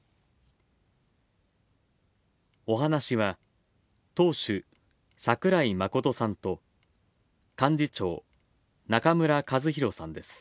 お話しは、党首桜井誠さんと、幹事長中村かずひろさんです。